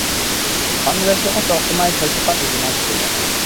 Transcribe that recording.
ئامېرىكىغا توختىماي تەشۋىقات ھۇجۇمى قىلدى.